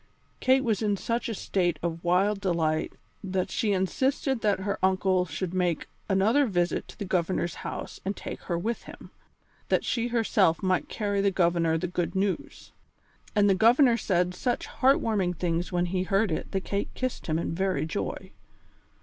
Kate was in such a state of wild delight that she insisted that her uncle should make another visit to the Governor's house and take her with him, that she herself might carry the Governor the good news; and the Governor said such heart warming things when he heard it that Kate kissed him in very joy.